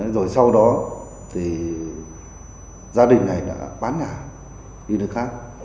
rồi sau đó thì gia đình này đã bán nhà đi nơi khác